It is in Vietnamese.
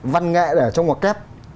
văn nghệ ở trong một kép